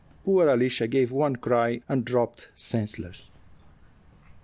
Poor Alicia gave one cry, and dropped senseless.